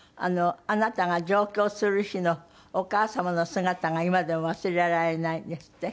あなたが上京する日のお母様の姿が今でも忘れられないんですって？